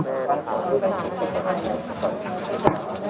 สวัสดีครับ